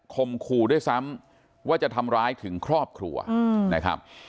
คมคู่ด้วยซ้ำว่าจะทำร้ายถึงครอบครัวนะครับ